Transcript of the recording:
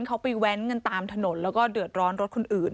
เขาไปแว้นกันตามถนนแล้วก็เดือดร้อนรถคนอื่น